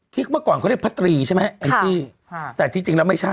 เมื่อก่อนเขาเรียกพระตรีใช่ไหมแองจี้ค่ะแต่ที่จริงแล้วไม่ใช่